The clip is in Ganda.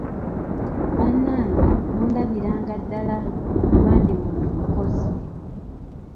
Bannange mundabiranga ddala kuba ndi muntu mukozi.